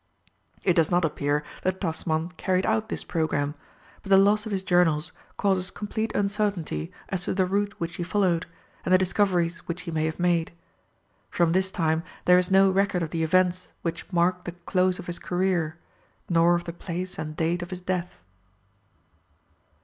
It does not appear that Tasman carried out this programme, but the loss of his journals causes complete uncertainty as to the route which he followed, and the discoveries which he may have made. From this time there is no record of the events which marked the close of his career, nor of the place and date of his death.